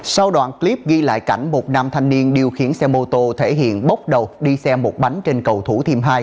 sau đoạn clip ghi lại cảnh một nam thanh niên điều khiển xe mô tô thể hiện bốc đầu đi xe một bánh trên cầu thủ thiêm hai